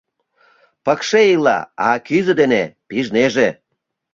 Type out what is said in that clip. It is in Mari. — Пыкше ила, а кӱзӧ дене пижнеже.